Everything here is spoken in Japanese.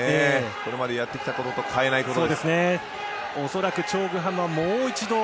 これまでやってきたことと変えないことです。